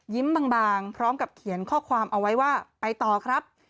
บางพร้อมกับเขียนข้อความเอาไว้ว่าไปต่อครับ